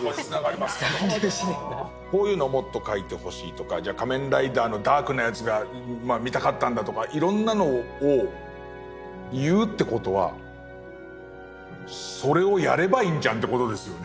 こういうのをもっと描いてほしいとかじゃあ「仮面ライダー」のダークなやつがまあ見たかったんだとかいろんなのを言うって事はそれをやればいいんじゃんって事ですよね。